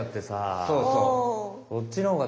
そうそう。